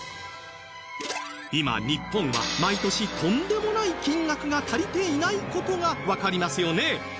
今日本は毎年とんでもない金額が足りていない事がわかりますよね